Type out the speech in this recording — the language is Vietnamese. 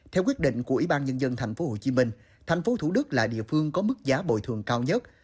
theo quyết định của ủy ban nhân dân tp hcm thành phố thủ đức là địa phương có mức giá bồi thường cao nhất